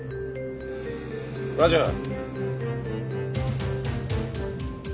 ラジャー。